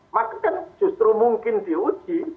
maka kan justru mungkin diuji